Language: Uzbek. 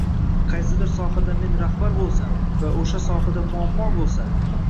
"Qaysidir sohada men rahbar bo‘lsam va o‘sha sohada muammo bo‘lsa.